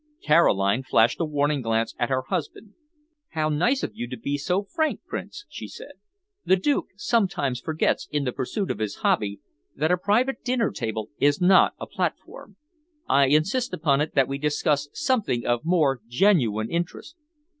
Caroline flashed a warning glance at her husband. "How nice of you to be so frank, Prince!" she said. "The Duke sometimes forgets, in the pursuit of his hobby, that a private dinner table is not a platform. I insist upon it that we discuss something of more genuine interest."